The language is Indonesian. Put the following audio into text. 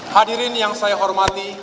hadirin yang saya hormati